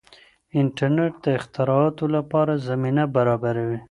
انټرنیټ د اختراعاتو لپاره زمینه برابروي.